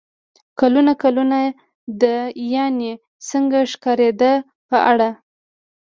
کلونه کلونه د "څنګه ښکارېدو" په اړه